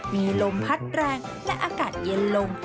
มีลมพัดแรงและอากาศเย็นลง